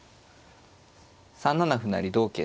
３七歩成同桂